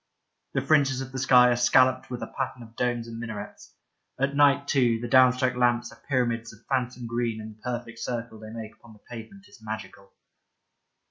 The fringes of the sky are scalloped with a pattern of domes and minarets. At night, too, the down struck lamps are pyramids of phantom green and the perfect circle they make upon the pavement is magical.